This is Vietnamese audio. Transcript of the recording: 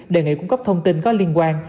đề nghị cung cấp thông tin có liên quan